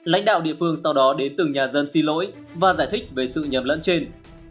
lãnh đạo địa phương sau đó đến từng nhà dân xin lỗi và giải thích về sự nhầm lẫn trên